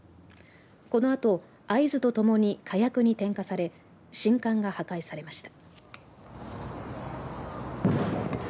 このあと、合図とともに火薬に点火され信管が破壊されました。